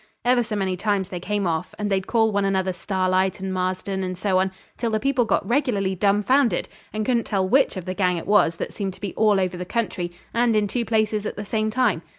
Ever so many times they came off, and they'd call one another Starlight and Marston, and so on, till the people got regularly dumbfoundered, and couldn't tell which of the gang it was that seemed to be all over the country, and in two places at the same time.